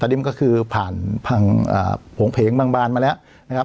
อันนี้มันก็คือผ่านโผงเพงบางบานมาแล้วนะครับ